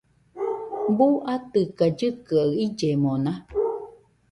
¿Buu atɨka llɨkɨa illemona?